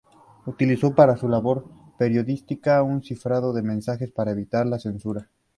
Utilizó para su labor periodística un cifrador de mensajes para evitar la censura.